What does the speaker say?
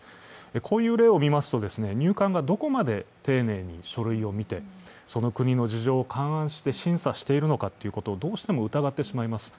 こういう例を見ますと、入管がどこまで丁寧に書類を見て、その国の事情を勘案して審査しているのかということをどうしても疑ってしまいます。